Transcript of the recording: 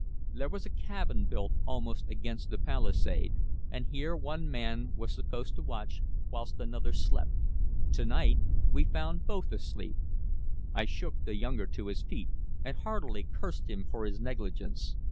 There was a cabin built almost against the palisade, and here one man was supposed to watch, whilst another slept. To night we found both asleep. I shook the younger to his feet, and heartily cursed him for his negligence.